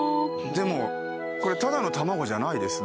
でもこれただの卵じゃないですね。